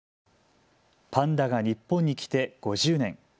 パンダが日本に来て５０年。